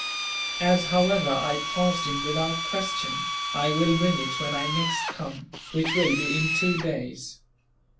As, however, I passed in without question, I will bring it when I next come, which will be in two days."